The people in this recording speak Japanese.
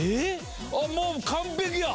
あっもう完璧や！